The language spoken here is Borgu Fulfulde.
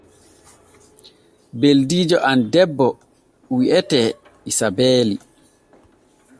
Ɓeldiijo am debbo wi’etee Isabeeli.